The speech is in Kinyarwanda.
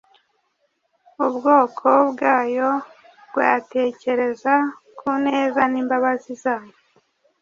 ubwoko bwayo bwatekereza ku neza n'imbabazi zayo.